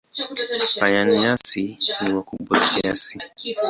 Panya-nyasi ni wakubwa kiasi.